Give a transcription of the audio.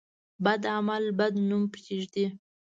بد عمل بد نوم پرېږدي.